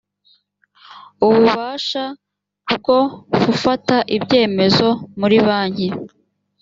ububasha bwo fufata ibyemezo muri banki